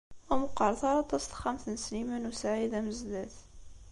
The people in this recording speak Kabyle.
Ur meqqret ara aṭas texxamt n Sliman u Saɛid Amezdat.